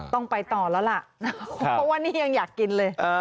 ต้องไปต่อแล้วล่ะเพราะว่านี่ยังอยากกินเลย